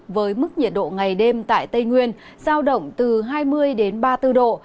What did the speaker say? với mức nhiệt độ ngày đêm tại tây nguyên giao động từ hai mươi ba mươi bốn độ